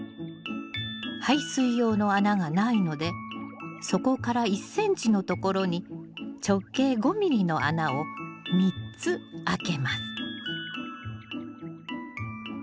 排水用の穴がないので底から１ｃｍのところに直径５ｍｍの穴を３つ開けます。